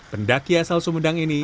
pendakian selesai mendang ini